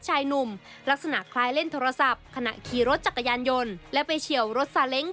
ชายหนุ่มลักษณะคล้ายเล่นโทรศัพท์ขณะขี่รถจักรยานยนต์และไปเฉียวรถซาเล้ง